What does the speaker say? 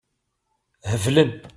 Heblen.